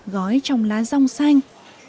gói trong lá rong xanh